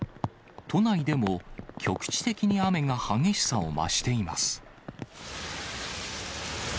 都内でも局地的に雨が激しさを増しています。